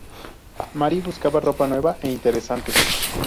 Mary buscaba ropa nueva e interesante.